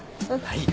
はい。